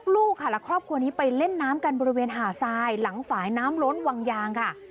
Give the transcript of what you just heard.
ลูกค่ะและครอบครัวนี้ไปเล่นน้ำกันบริเวณหาดทรายหลังฝ่ายน้ำล้นวังยางค่ะ